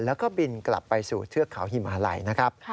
แล้วก็บินกลับไปสู่เทือกเขาหิมหาลัยนะครับ